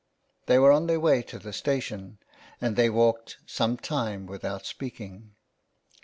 They were on their way to the station, and they walked some time without speaking.